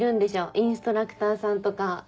インストラクターさんとか。